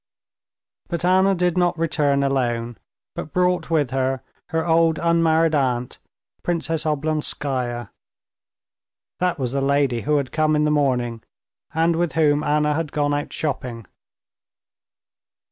But Anna did not return alone, but brought with her her old unmarried aunt, Princess Oblonskaya. This was the lady who had come in the morning, and with whom Anna had gone out shopping.